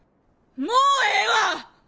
もうええわ！